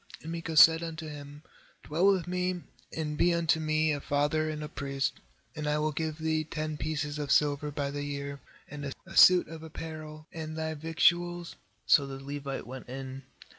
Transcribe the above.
10And Micah said unto him: 'Dwell with me, and be unto me a father and a priest, and I will give thee ten pieces of silver by the year, and a suit of apparel, and thy victuals.7 So the Levite went in.